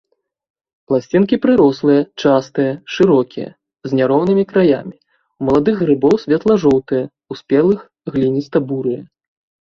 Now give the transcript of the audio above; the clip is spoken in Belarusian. Пласцінкі прырослыя, частыя, шырокія, з няроўнымі краямі, у маладых грыбоў светла-жоўтыя, у спелых глініста-бурыя.